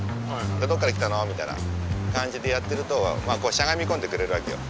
「どっから来たの？」みたいな感じでやってるとしゃがみ込んでくれるわけよ。